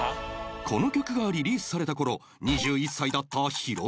この曲がリリースされた頃２１歳だったヒロミさん